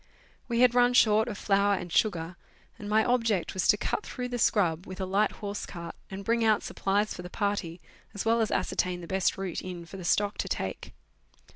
We had run short of flour and sugar, and my object was to cut through the scrub with a light horse cart and bring out supplies for the party, as well as ascertain the best route in for the stock to take.